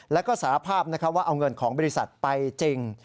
แล้วก็สารภาพว่าเอาเงินของบริษัทไปจริง